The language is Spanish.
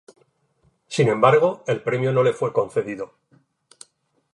Sin embargo, el premio no le fue concedido.